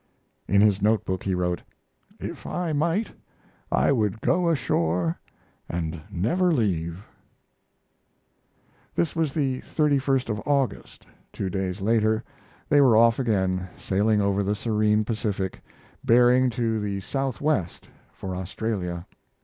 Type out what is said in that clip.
In his note book he wrote: "If I might, I would go ashore and never leave." This was the 31 st of August. Two days later they were off again, sailing over the serene Pacific, bearing to the southwest for Australia.